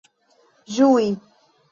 ĝui